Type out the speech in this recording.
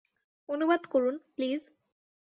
অনুবাদ করুন, প্লিজ।